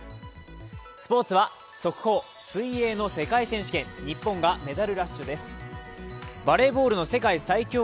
スポーツは速報、水泳の世界選手権、日本がメダルラッシュです